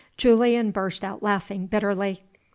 Julian burst out laughing bitterly.